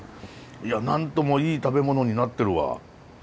いや何ともいい食べ物になってるわ。